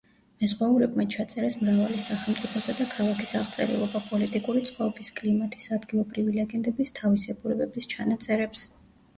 მეზღვაურებმა ჩაწერეს მრავალი სახელმწიფოსა და ქალაქის აღწერილობა, პოლიტიკური წყობის, კლიმატის, ადგილობრივი ლეგენდების თავისებურებების ჩანაწერებს.